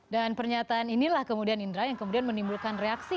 dan pernyataan inilah kemudian indra yang kemudian menimbulkan reaksi